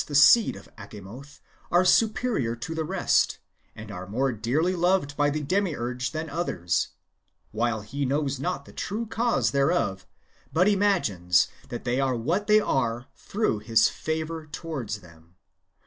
the seed of Achamoth are superior to the rest, and are more dearly loved by the Demiurge than others, while he knows not the true cause thereof, but imagines that they are what they are through his favour towards them.